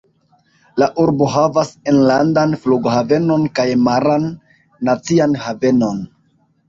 La urbo havas enlandan flughavenon kaj maran nacian havenon.